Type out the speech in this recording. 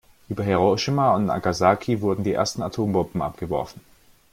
Über Hiroshima und Nagasaki wurden die ersten Atombomben abgeworfen.